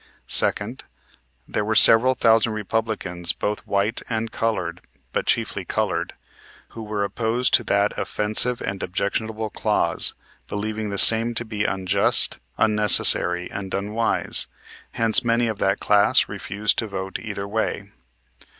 Second. There were several thousand Republicans both white and colored, but chiefly colored, who were opposed to that offensive and objectionable clause, believing the same to be unjust, unnecessary, and unwise; hence, many of that class refused to vote either way.